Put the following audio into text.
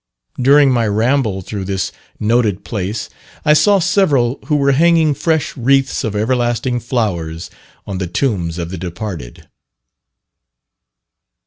During my ramble through this noted place, I saw several who were hanging fresh wreaths of everlasting flowers on the tombs of the departed.